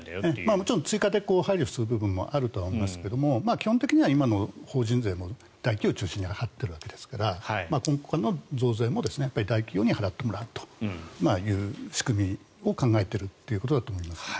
もちろん追加で配慮する部分はありますが今、法人税は大企業中心に払っているわけですから今後の増税も大企業に払ってもらうという仕組みを考えているということだと思います。